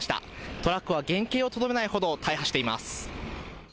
トラックは原形をとどめないほど大破しています。